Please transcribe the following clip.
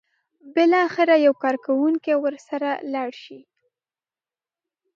بالاخره یو کارکوونکی ورسره لاړ شي.